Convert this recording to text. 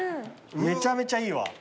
めちゃめちゃいいわ。